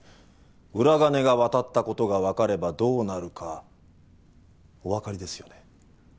裏金が渡ったことがわかればどうなるかおわかりですよね？